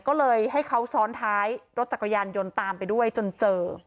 ก็เลยให้เขาซ้อนท้ายรถจักรยานยนต์ตามไปด้วยจนเจอ